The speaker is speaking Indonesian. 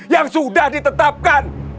yang sudah ditetapkan